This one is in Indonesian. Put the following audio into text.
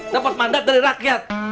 dapet mandat dari rakyat